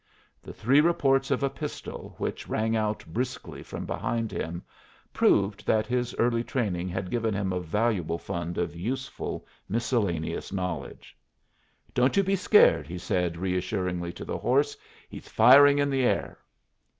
The three reports of a pistol, which rang out briskly from behind him, proved that his early training had given him a valuable fund of useful miscellaneous knowledge. "Don't you be scared," he said, reassuringly, to the horse; "he's firing in the air."